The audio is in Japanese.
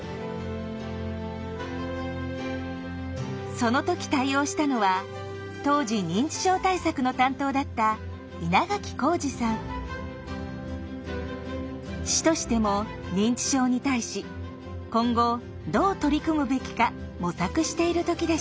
その時対応したのは当時認知症対策の担当だった市としても認知症に対し今後どう取り組むべきか模索している時でした。